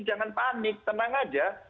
jangan panik tenang aja